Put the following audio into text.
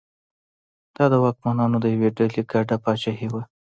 دا د واکمنانو د یوې ډلې ګډه پاچاهي وه.